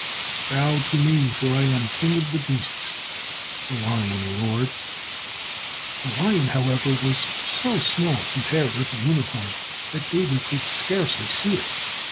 "Bow to me, for I am king of the beasts," the lion roared. The lion, however, was so small compared with the unicorn that David could scarcely see it.